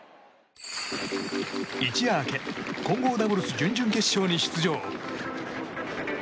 一夜明け混合ダブルス準々決勝に出場。